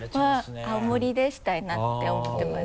やっぱ青森でしたいなって思ってます。